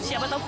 siapa tau pun